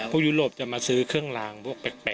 ยุโรปจะมาซื้อเครื่องลางพวกแปลก